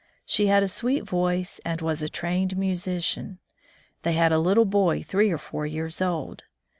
She had a sweet voice and was a trained musician. They had a little boy three or four years old.